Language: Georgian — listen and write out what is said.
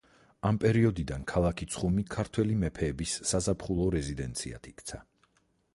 ამ პერიოდიდან ქალაქი ცხუმი ქართველი მეფეების საზაფხულო რეზიდენციად იქცა.